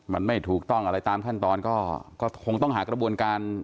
มันไม่ถูกต้องอะไรตามขั้นตอนก็คงต้องหากระบวนการ